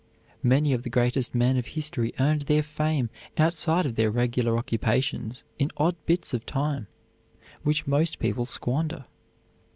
Many of the greatest men of history earned their fame outside of their regular occupations in odd bits of time which most people squander.